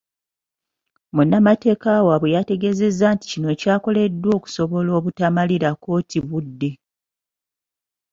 Munnamateeka waabwe yategeezezza nti kino kyakoleddwa okusobola obutamalira kkooti budde.